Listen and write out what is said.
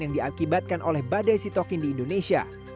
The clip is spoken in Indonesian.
yang diakibatkan oleh badai sitokin di indonesia